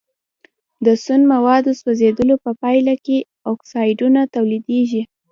د سون موادو سوځیدلو په پایله کې اکسایدونه تولیدیږي.